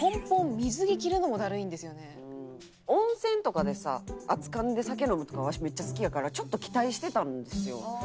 温泉とかでさ熱かんで酒飲むとかはわしめっちゃ好きやからちょっと期待してたんですよ。